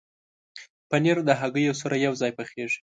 پنېر د هګیو سره یوځای پخېږي.